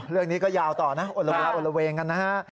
เรื่องนี้ก็ยาวต่อนะโอละเวงกันนะฮะ